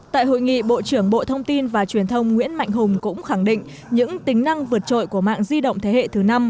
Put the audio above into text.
tại hội nghị bộ trưởng bộ thông tin và truyền thông nguyễn mạnh hùng cũng khẳng định những tính năng vượt trội của mạng di động thế hệ thứ năm